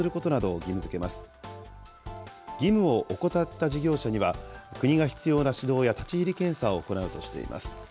義務を怠った事業者には、国が必要な指導や立ち入り検査を行うとしています。